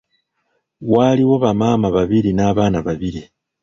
Waaliwo bamaama babiri n’abaana babiri.